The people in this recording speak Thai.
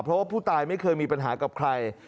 เพราะว่าผู้ตายไม่เคยมีปัญหากับใคร